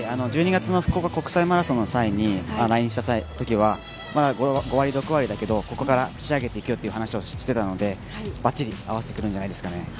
１２月の福岡国際マラソンの際にＬＩＮＥした際はまだ５割、６割だけどここから仕上げていくよという話をしていたのでバッチリ合わせてくるんじゃないですかね。